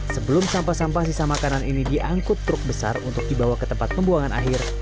sebelum sampah sampah sisa makanan ini diangkut truk besar untuk dibawa ke tempat pembuangan akhir